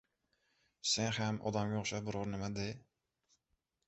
«Sen ham odamga o‘xshab biror nima de».